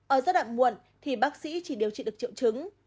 ở giai đoạn muộn thì bác sĩ chỉ điều trị được triệu chứng